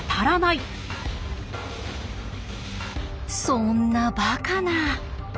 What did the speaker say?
そんなバカな。